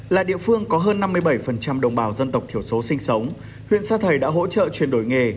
là địa phương có hơn năm mươi bảy đồng bào dân tộc thiểu số sinh sống huyện sa thầy đã hỗ trợ chuyển đổi nghề